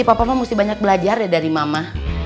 si papa mah mesti banyak belajar ya dari mama